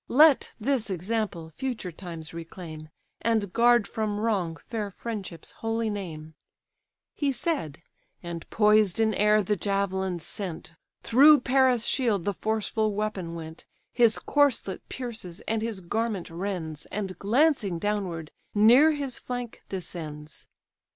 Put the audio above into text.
Let this example future times reclaim, And guard from wrong fair friendship's holy name," He said, and poised in air the javelin sent, Through Paris' shield the forceful weapon went, His corslet pierces, and his garment rends, And glancing downward, near his flank descends.